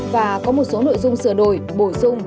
và có một số nội dung sửa đổi bổ sung